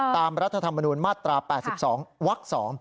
รัฐธรรมนูญมาตรา๘๒วัก๒